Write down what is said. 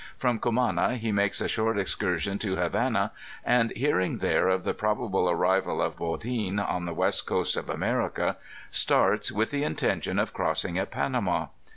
From Cumana he makes a short excursion to Havana, and hearing there of the probable arrival of Baudin on the West coast of America, starts with the intention of crossing at Panama.